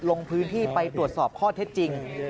ลงพื้นที่ไปตรวจสอบข้อเท็จจริง